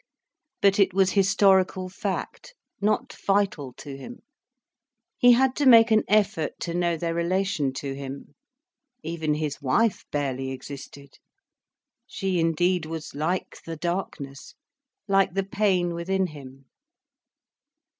But it was historical fact, not vital to him. He had to make an effort to know their relation to him. Even his wife barely existed. She indeed was like the darkness, like the pain within him.